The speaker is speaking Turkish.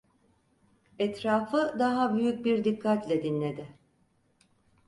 Etrafı daha büyük bir dikkatle dinledi.